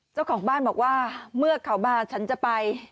เจ้าของบ้านบอกว่าเมื่อเขามาฉันจะไป